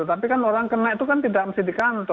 tapi kan orang kena itu kan tidak mesti di kantor